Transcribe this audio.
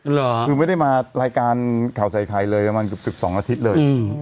หรอคือไม่ได้มารายการข่าวใส่ไทยเลยประมาณกว่าสิบสองอาทิตย์เลยอือ